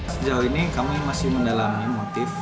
sejauh ini kami masih mendalami motif